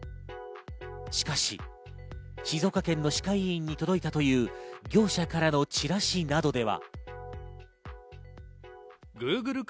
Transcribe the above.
しかし、静岡県の歯科医院に届いたという業者からのチラシなどでは。